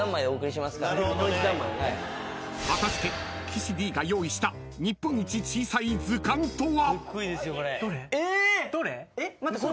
［果たして岸Ｄが用意した日本一小さい図鑑とは？］